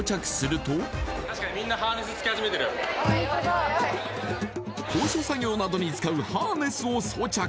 ホントだ高所作業などに使うハーネスを装着！